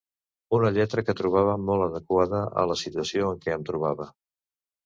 Una lletra que trobava molt adequada a la situació en què em trobava...